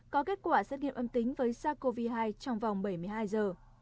có kết quả xét nghiệm âm tính với sars cov hai trong vòng bảy mươi hai giờ